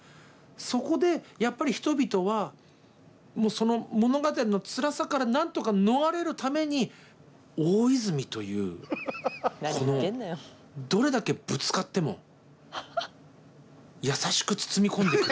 そこでやっぱり人々はその物語のつらさからなんとか逃れるために大泉というこのどれだけぶつかっても優しく包み込んでくれる。